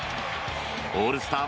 オールスター